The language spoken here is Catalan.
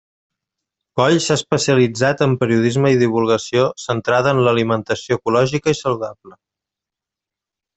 Coll s'ha especialitzat en periodisme i divulgació centrada en l'alimentació ecològica i saludable.